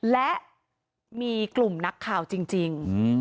และมีกลุ่มนักข่าวจริง